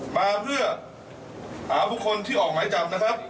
มาเพื่อหาบุคคลที่ออกหมายจับนะครับ